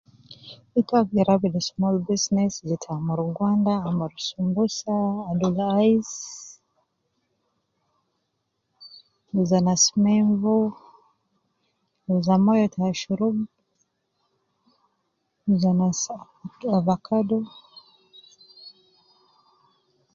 Ita agder abidu small bussines jete amuru gwanda, amuru sumbusa al raisi, wuza nas menvu, wuza moyo ta ashurub, wuza nas ovacado.